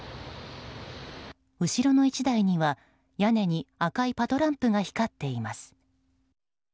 後ろの１台には屋根に赤いパトランプが光っています。